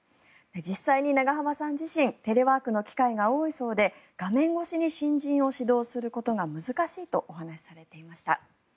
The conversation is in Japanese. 実際に永濱さん自身テレワークの機会が多いそうで画面越しに新人を指導することが難しいとお話しされていました。